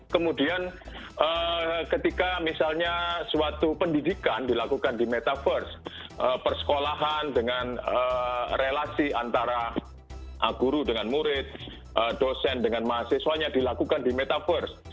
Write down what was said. kemudian ketika misalnya suatu pendidikan dilakukan di metaverse persekolahan dengan relasi antara guru dengan murid dosen dengan mahasiswanya dilakukan di metaverse